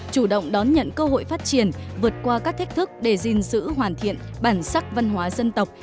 chủ động đón nhận cơ hội phát triển vượt qua các thách thức để gìn giữ hoàn thiện bản sắc văn hóa dân tộc